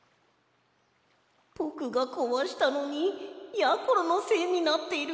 こころのこえぼくがこわしたのにやころのせいになっている。